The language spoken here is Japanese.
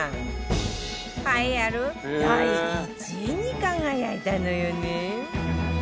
栄えある第１位に輝いたのよね